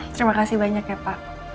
terima kasih banyak ya pak